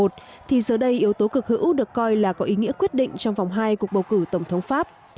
thì giờ đây yếu tố cực hữu được coi là có ý nghĩa quyết định trong vòng hai cuộc bầu cử tổng thống pháp